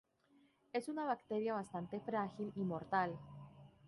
Es una bacteria bastante frágil y mortal.